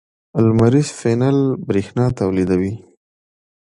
لمریز پینل برېښنا تولیدوي.